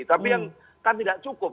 tapi yang kan tidak cukup